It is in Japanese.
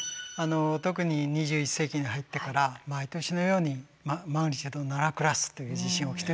特に２１世紀に入ってから毎年のようにマグニチュード７クラスという地震起きてるんですよ。